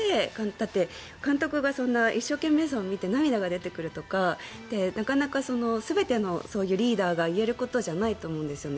だって監督が一生懸命さを見て涙が出てくるとかってなかなか全てのそういうリーダーが言えることではないと思うんですよね。